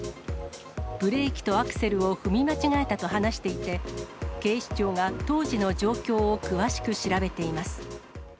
ブレーキとアクセルを踏み間違えたと話していて、警視庁が当時の状況を詳しく調べています。